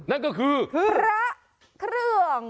นั่นก็คือพระเครื่อง